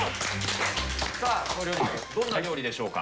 さあ、この料理、どんな料理でしょうか。